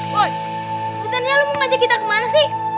woy sebetulnya lo mau ngajak kita kemana sih